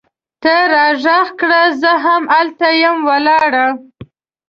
ته راږغ کړه! زه هم هلته یم ولاړه